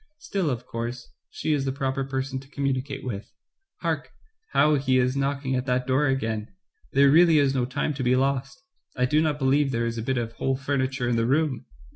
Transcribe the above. Still, of course, she is the proper person to communicate with. Hark, how he is knocking at that door again — there really is no time to be lost. Ijdo not be lieve there is a bit of whole furniture in the room."